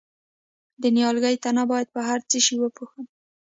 د نیالګي تنه باید په څه شي وپوښم؟